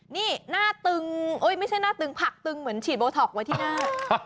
นี่หน้าตึงไม่ใช่หน้าตึงผักตึงเหมือนฉีดโบท็อกไว้ที่หน้า